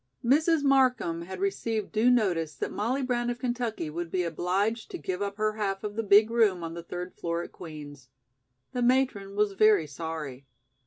Mrs. Markham had received due notice that Molly Brown of Kentucky would be obliged to give up her half of the big room on the third floor at Queen's. The matron was very sorry.